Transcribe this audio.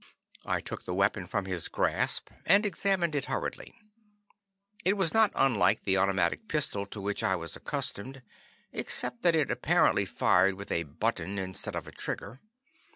I took the weapon from his grasp and examined it hurriedly. It was not unlike the automatic pistol to which I was accustomed, except that it apparently fired with a button instead of a trigger.